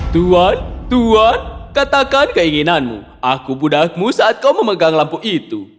tuan tuhan katakan keinginanmu aku budakmu saat kau memegang lampu itu